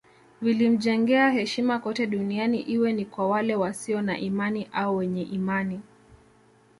Vilimjengea heshima kote duniani iwe ni kwa wale wasio na imani au wenye imani